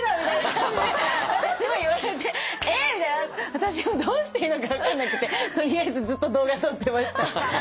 私もどうしていいのか分かんなくて取りあえずずっと動画撮ってました。